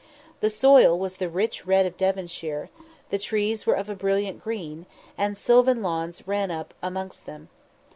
The soil was the rich red of Devonshire, the trees were of a brilliant green, and sylvan lawns ran up amongst them.